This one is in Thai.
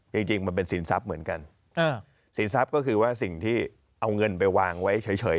จริงจริงมันเป็นสินทรัพย์เหมือนกันสินทรัพย์ก็คือว่าสิ่งที่เอาเงินไปวางไว้เฉย